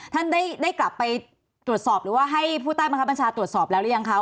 ท่านได้กลับไปตรวจสอบหรือว่าให้ผู้ใต้บังคับบัญชาตรวจสอบแล้วหรือยังคะ